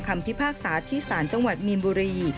พิพากษาที่ศาลจังหวัดมีนบุรี